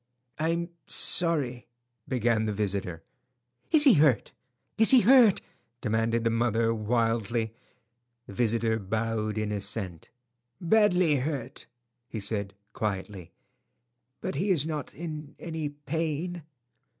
"I'm sorry—" began the visitor. "Is he hurt?" demanded the mother, wildly. The visitor bowed in assent. "Badly hurt," he said, quietly, "but he is not in any pain."